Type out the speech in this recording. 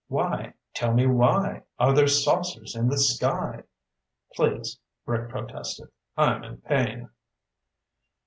"Wye, tell me Wye, are there saucers in the sky " "Please," Rick protested, "I'm in pain."